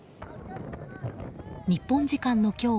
日本時間の今日